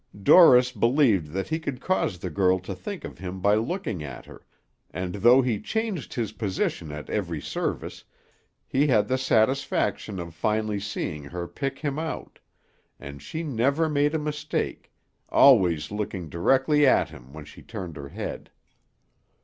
Dorris believed that he could cause the girl to think of him by looking at her, and though he changed his position at every service, he had the satisfaction of finally seeing her pick him out, and she never made a mistake, always looking directly at him when she turned her head.